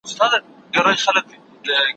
زه به سبا د ليکلو تمرين وکړم..